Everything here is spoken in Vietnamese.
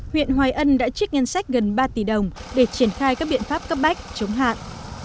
huyện hoài ân đã trích ngân sách gần ba tỷ đồng để triển khai các biện pháp cấp bách chống hạn